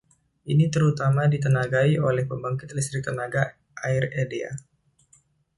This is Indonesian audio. Ini terutama ditenagai oleh Pembangkit Listrik Tenaga Air Edea.